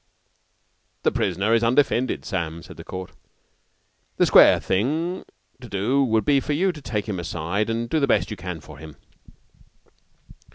"The prisoner is undefended, Sam," said the court. "The square thing to do would be for you to take him aside and do the best you can for him."